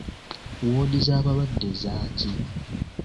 Woodi z'abalwadde zaaki?